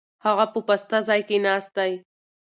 هغه په پاسته ځای کې ناست دی.